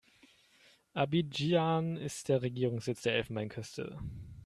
Abidjan ist der Regierungssitz der Elfenbeinküste.